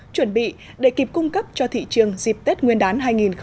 chuẩn bị để kịp cung cấp cho thị trường dịp tết nguyên đán hai nghìn một mươi chín